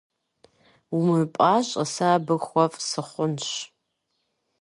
Умыпӏащӏэ, сэ абы хуэфӏ сыхъунщ.